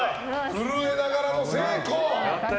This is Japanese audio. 震えながらも成功！